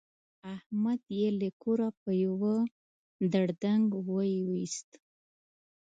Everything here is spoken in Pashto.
احمد يې له کوره په يوه دړدنګ ویوست.